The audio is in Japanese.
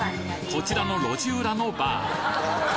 こちらの路地裏のＢＡＲ